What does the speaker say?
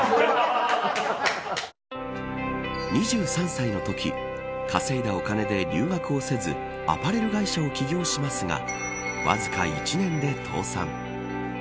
２３歳のとき稼いだお金で留学をせずアパレル会社を起業しますがわずか１年で倒産。